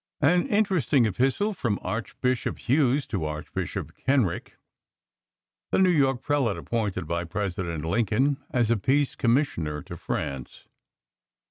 An interesting epistle from Archbishop Hughes to Archbishop Kenrick. The New York prelate appointed by President Lincoln as a peace commissioner to France.